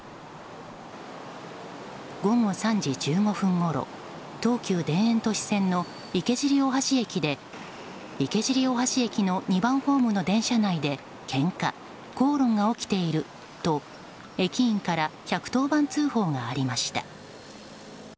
午後３時１５分ごろ東急田園都市線の池尻大橋駅で池尻大橋駅の２番ホームの電車内でけんか、口論が起きていると駅員から１１０番通報がありました。